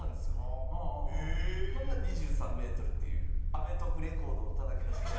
ほんなら、２３ｍっていうアメトーークレコードをたたき出しました。